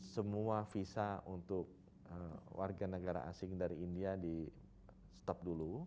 semua visa untuk warga negara asing dari india di stop dulu